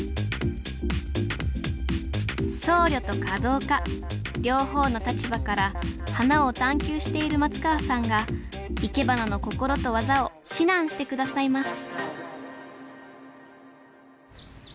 僧侶と華道家両方の立場から花を探究している松川さんがいけばなの心と技を指南して下さいます